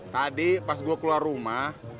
tadi pas gue keluar rumah